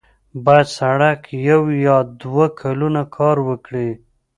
باید سړک یو یا دوه کلونه کار ورکړي.